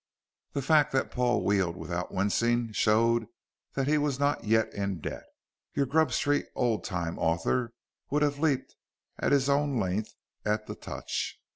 The fact that Paul wheeled without wincing showed that he was not yet in debt. Your Grub Street old time author would have leaped his own length at the touch.